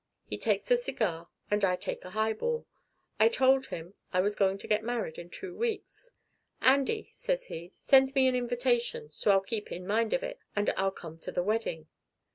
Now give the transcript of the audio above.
He takes a cigar, and I take a highball. I told him I was going to get married in two weeks. 'Andy,' says he, 'send me an invitation, so I'll keep in mind of it, and I'll come to the wedding.'